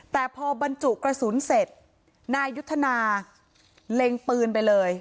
แต่พอบรรจุกระสุนเสร็จนายยุทธนาเล็งปืนไปเลย